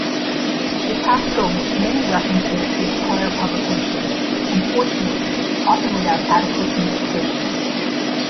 Lupasco makes many references to his prior publications, unfortunately, often without adequate indexation.